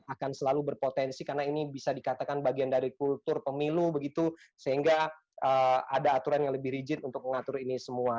akan selalu berpotensi karena ini bisa dikatakan bagian dari kultur pemilu begitu sehingga ada aturan yang lebih rigid untuk mengatur ini semua